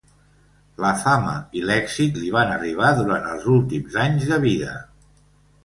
La fama i l'èxit li van arribar durant els últims anys de vida.